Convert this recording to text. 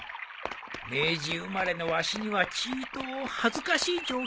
明治生まれのわしにはちいと恥ずかしい状況じゃ